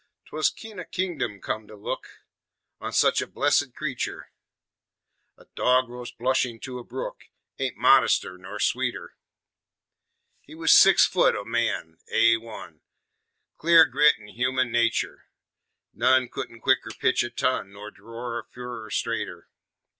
'T was kin' o' kingdom come to look On sech a blessed cretur; A dogrose blushin' to a brook Ain't modester nor sweeter. He was six foot o' man, A 1, Clear grit an' human natur'; None couldn't quicker pitch a ton Nor dror a furrer straighter.